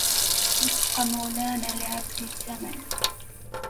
رق مولانا لعبد زمن